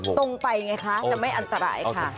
ตรงไปไงคะจะไม่อันตรายค่ะ